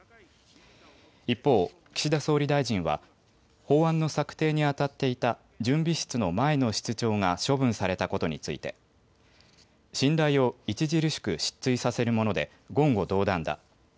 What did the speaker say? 一方、岸田総理大臣は、法案の策定に当たっていた準備室の前の室長が処分されたことについて、信頼を著しく失墜させるもので、言語道断だ。